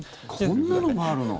こんなのもあるの？